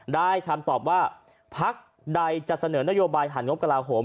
ได้คำตอบว่าภักดิ์ใดจัดเสนอนโยบายหันงบกระลาโหม